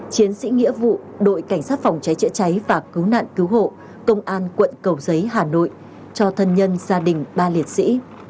chiến sĩ nghĩa vụ đội cảnh sát phòng cháy chữa cháy và cứu nạn cứu hộ công an quận cầu giấy hà nội cho thân nhân gia đình ba liệt sĩ